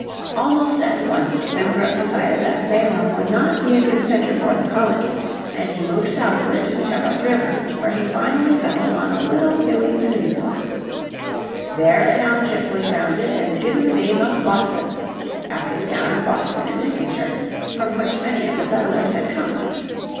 Almost at once Winthrop decided that Salem would not be a good centre for the colony, and he moved southward to the Charles River, where he finally settled on a little hilly peninsula. There a township was founded and given the name of Boston, after the town of Boston in Lincolnshire, from which many of the settlers had come.